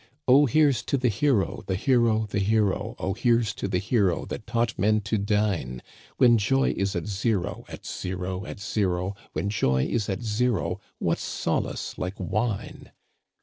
•* Oh, here's to the hero. The hero, the hero ; Oh, here's to the hero That taught men to dine ! "When joy is at zero, At zero, at zero ; When joy is at zero, What solace like wine